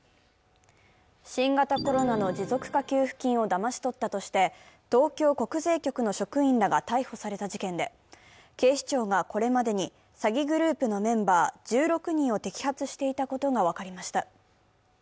新型コロナの持続化給付金をだまし取ったとして東京国税局の職員らが逮捕された事件で、警視庁が、これまでに詐欺グループのメンバー、１６人を摘発していたことが分かりました。